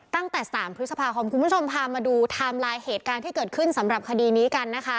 ตั้งแต่๓พฤษภาคมคุณผู้ชมพามาดูไทม์ไลน์เหตุการณ์ที่เกิดขึ้นสำหรับคดีนี้กันนะคะ